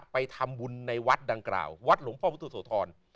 ไปทำบุญในวัดดังกล่าววัดหลวงพ่อพุทธโสธร